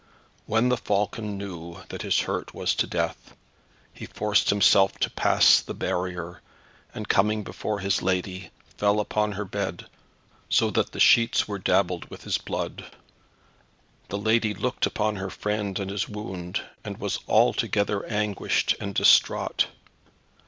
When the falcon knew that his hurt was to death, he forced himself to pass the barrier, and coming before his lady fell upon her bed, so that the sheets were dabbled with his blood. The lady looked upon her friend and his wound, and was altogether anguished and distraught.